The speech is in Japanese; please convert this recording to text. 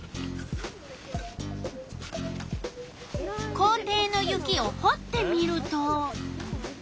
校庭の雪をほってみると。